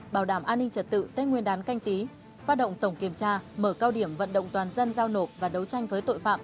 bảo đảm an ninh trật tự tết nguyên đán canh tí phát động tổng kiểm tra mở cao điểm vận động toàn dân giao nộp và đấu tranh với tội phạm